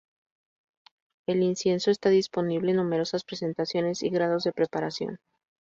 El incienso está disponible en numerosas presentaciones y grados de preparación.